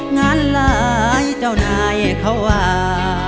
หลายเจ้านายเขาว่า